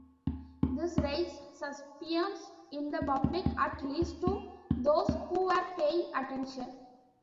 This raised suspicions in the public, at least to those who were paying attention.